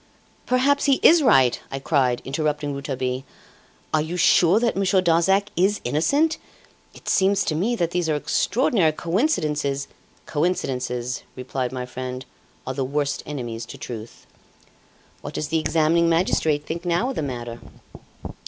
"Perhaps he is right," I cried, interrupting Rouletabille. "Are you sure that Monsieur Darzac is innocent? It seems to me that these are extraordinary coincidences " "Coincidences," replied my friend, "are the worst enemies to truth." "What does the examining magistrate think now of the matter?"